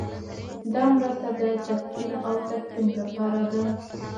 دا مرسته د تدفین او تکفین لپاره ده.